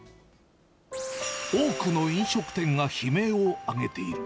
多くの飲食店が悲鳴を上げている。